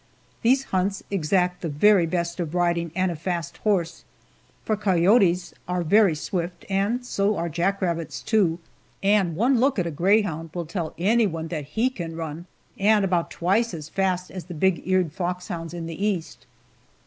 These hunts exact the very best of riding and a fast horse, for coyotes are very swift, and so are jack rabbits, too, and one look at a greyhound will tell anyone that he can run and about twice as fast as the big eared foxhounds in the East.